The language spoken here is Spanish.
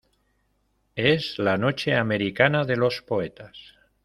es la noche americana de los poetas.